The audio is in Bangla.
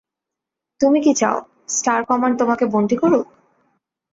তুমি কি চাও, স্টার কমান্ড তোমাকে বন্দি করুক?